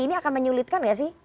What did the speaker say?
ini akan menyulitkan nggak sih